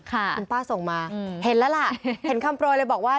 คุณป้าส่งมาเห็นแล้วล่ะเห็นคำโปรยเลยบอกว่า